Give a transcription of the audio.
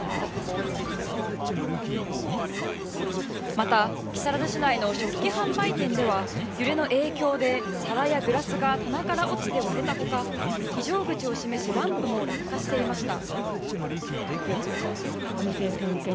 また、木更津市内の食器販売店では揺れの影響で、皿やグラスが棚から落ちて割れたほか非常口を示すランプも落下していました。